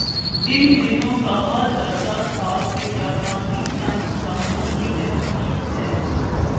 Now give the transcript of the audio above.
ان دنوں کہا جاتا تھا کہ یہ جاپانی سائنس دانوں کی تحقیق ہے۔